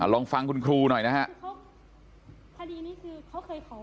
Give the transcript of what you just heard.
ลองฟังคุณครูหน่อยนะฮะ